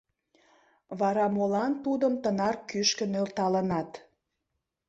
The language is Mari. — Вара молан Тудым тынар кӱшкӧ нӧлталынат?